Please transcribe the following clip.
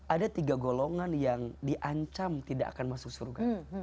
ada tiga golongan yang diancam tidak akan masuk surga